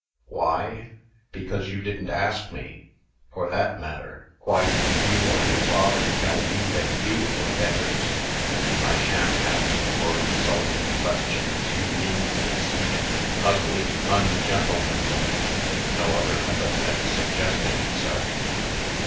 "Why? Because you didn't ask me. For that matter, why didn't you or your father tell me that you were beggars?" "I sha'n't answer your insulting questions, you mean, deceiving, ugly, ungentlemanly " (no other epithet suggesting itself.)